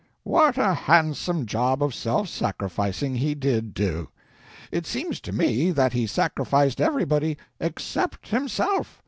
What a handsome job of self sacrificing he did do! It seems to me that he sacrificed everybody except himself.